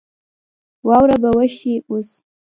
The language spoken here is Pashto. واوره به وشي اوس